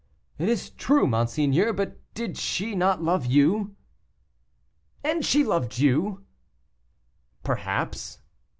"It is true, monseigneur; but she did not love you." "And she loved you?" "Perhaps."